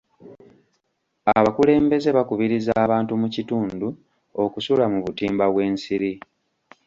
Abakulembeze bakubiriza abantu mu kitundu okusula mu butimba bw'ensiri.